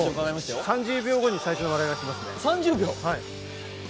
そう、３０秒後に最初の笑いが来ますね。